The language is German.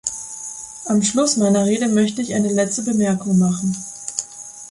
Am Schluss meiner Rede möchte ich eine letzte Bemerkung machen.